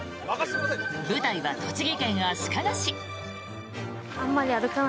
舞台は栃木県足利市。